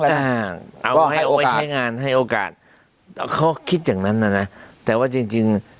เอาให้เอาไว้ใช้งานให้โอกาสเขาคิดอย่างนั้นน่ะนะแต่ว่าจริงจริง